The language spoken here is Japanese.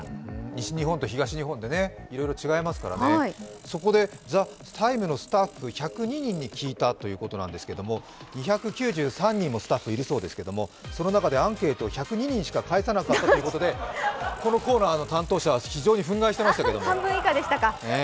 西日本と東日本でいろいろ違いますからね、そこで、「ＴＨＥＴＩＭＥ，」のスタッフ１０２人に聞いたということですが、２９３人もスタッフがいるそうですけど、その中でアンケート１０２人しか返さなかったということでこのコーナーの担当者は非常に憤慨してましたけど。